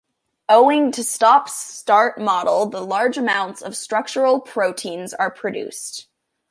Owing to stop-start model, the large amounts of the structural proteins are produced.